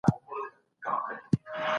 د سپکاوي مخنیوی د ټولني فضا ښه کوي.